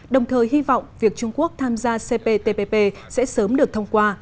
đồng thời hy vọng việc trung quốc tham gia cptpp sẽ sớm được thông qua